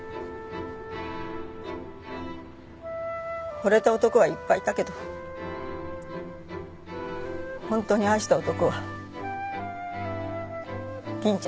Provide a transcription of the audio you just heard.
惚れた男はいっぱいいたけど本当に愛した男は銀ちゃんだけなの。